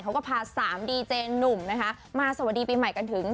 เขาก็พาสามดีเจหนุ่มนะคะมาสวัสดีปีใหม่กันถึง